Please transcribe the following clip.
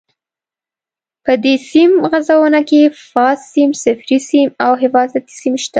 په دې سیم غځونه کې فاز سیم، صفري سیم او حفاظتي سیم شته.